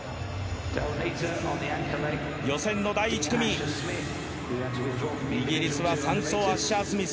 予選の第１組、イギリスは３走、アッシャー・スミス。